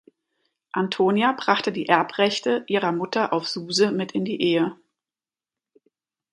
Antonia brachte die Erbrechte ihrer Mutter auf Suze mit in die Ehe.